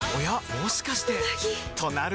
もしかしてうなぎ！